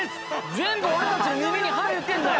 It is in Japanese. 全部俺たちの耳に入ってんだよ！